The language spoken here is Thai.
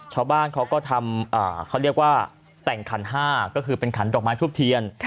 ชาวบ้านเขาก็ทำเขาเรียกว่าแต่งขันห้าก็คือเป็นขันดอกไม้ทูบเทียน